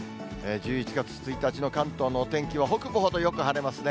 １１月１日の関東のお天気は北部ほどよく晴れますね。